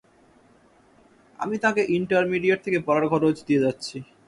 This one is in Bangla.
আমি তাকে ইন্টারমিডিয়েট থেকে পড়ার খরচ দিয়ে যাচ্ছি।